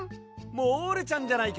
モールちゃんじゃないか。